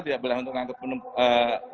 tidak berlaku untuk ngangkut penumpang